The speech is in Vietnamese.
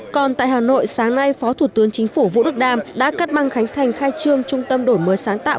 còn tại hà nội sáng nay phó thủ tướng chính phủ vũ đức đam đã cắt băng khánh thành khai trương trung tâm đổi mới sáng tạo